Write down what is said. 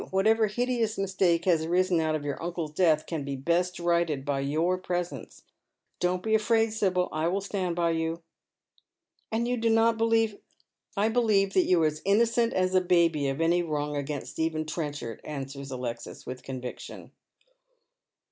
Whatever hideous mistake has arisen out of your uncle's death can be best righted by your presence. Don't be afi aid, Sibyl, I will stand by you." " And you do not believe "" I believe that you are as innocent as a baby of any wrong against Stephen Trenchard," answers Alexis with conviction.